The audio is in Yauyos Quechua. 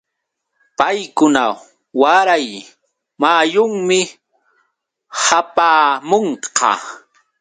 Paykuna waray muyunmi hapaamunqa.